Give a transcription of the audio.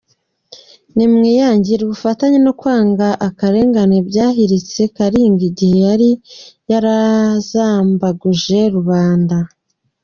Ni mwiyangire, ubufatanye no kwanga akarengane byahiritse Kalinga igihe yari yarazambaguje rubanda.